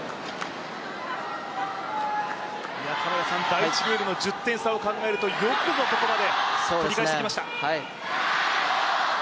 第１ゲームの１０点差を考えると、よくぞここまで取り返してきました。